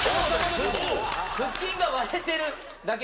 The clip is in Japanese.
腹筋が割れてるだけ。